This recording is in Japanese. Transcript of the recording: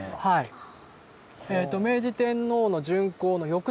はい。